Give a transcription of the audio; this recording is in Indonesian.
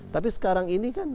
tapi sekarang ini kan